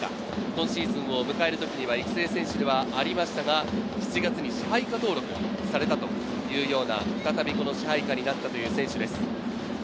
今シーズンを迎えるときには育成選手ではありましたが、７月に支配下登録されたというような、再び支配下になったという選手です。